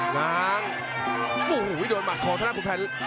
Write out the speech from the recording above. น้ำโอ้โหอีกโดนมาของทางหน้าคุณแพน